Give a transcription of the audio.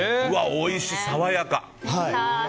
おいしい、爽やか。